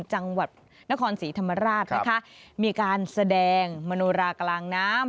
จังหวัดนครศรีธรรมราชนะคะมีการแสดงมโนรากลางน้ำ